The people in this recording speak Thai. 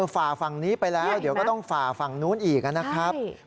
ฝ่าฝั่งนี้ไปแล้วเดี๋ยวก็ต้องฝ่าฝั่งนู้นอีกนะครับคุณผู้ชมฮะนี่เห็นไหม